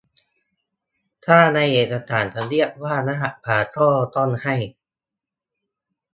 ถ้าในเอกสารจะเรียกว่า "รหัสผ่าน" ก็ต้องให้